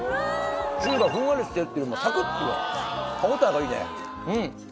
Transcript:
シューがふんわりしてっていうよりもサクっていう歯応えがいいね。